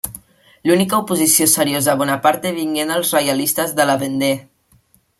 L'única oposició seriosa a Bonaparte vingué dels reialistes de la Vendée.